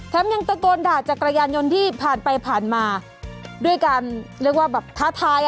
ยังตะโกนด่าจักรยานยนต์ที่ผ่านไปผ่านมาด้วยการเรียกว่าแบบท้าทาย